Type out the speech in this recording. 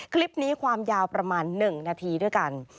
คลิปนี้ความยาวประมาณ๑นาทีด้วยกัน